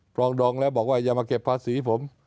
ปรองดองแล้วบอกว่าอย่ามาเก็บภาษีผม